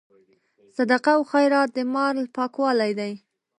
صدقه او خیرات د مال پاکوالی دی.